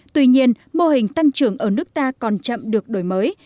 tuy nhiên mô hình tăng trưởng ở nước ta còn chậm được đổi mới